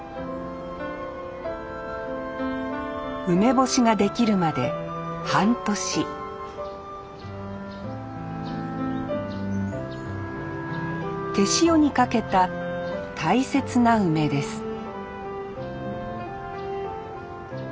梅干しができるまで半年手塩にかけた大切な梅です